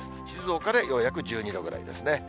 静岡でようやく１２度ぐらいですね。